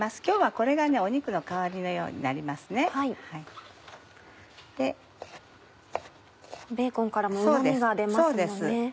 今日はこれがね肉の代わりのようになりますね。